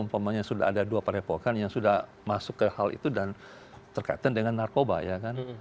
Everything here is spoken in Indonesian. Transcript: umpamanya sudah ada dua padepokan yang sudah masuk ke hal itu dan terkaitan dengan narkoba ya kan